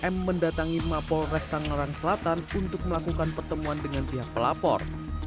m mendatangi mapol res tangerang selatan untuk melakukan pertemuan dengan pihak pelapor